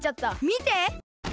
みて！